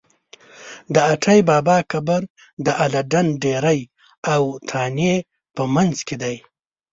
د اټی بابا قبر د اله ډنډ ډېری او تانې په منځ کې دی.